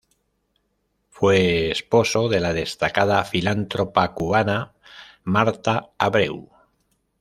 Fue esposo de la destacada filántropa cubana Marta Abreu.